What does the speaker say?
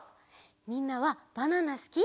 みんなはバナナすき？